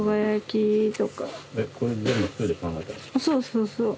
そうそうそう。